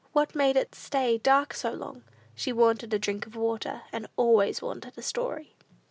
What made it stay dark so long? She wanted a drink of water, and always wanted a story.